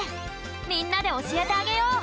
みんなでおしえてあげよう！